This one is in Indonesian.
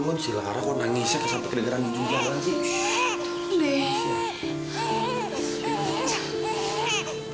kenapa si lara nangisnya ke satu kedegaran di jalan jalan sih